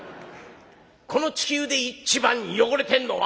「この地球で一番汚れてんのは？」。